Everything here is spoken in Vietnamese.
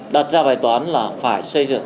đặt ra vài toán là phải xây dựng